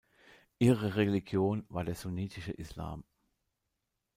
Ihre Religion war der sunnitische Islam.